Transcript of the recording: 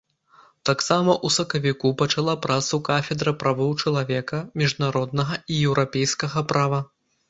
Таксама ў сакавіку пачала працу кафедра правоў чалавека, міжнароднага і еўрапейскага права.